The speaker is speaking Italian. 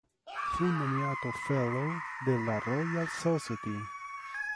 Fu nominato fellow della Royal Society.